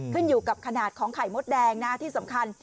ขึ้นอยู่กับขนาดของไข่มดแดงนะที่สำคัญ